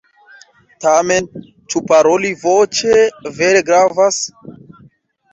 Tamen, ĉu paroli voĉe vere gravas?